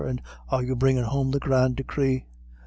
And are you bringing home the grand Degree?"